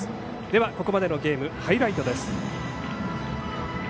では、ここまでのゲームハイライトです。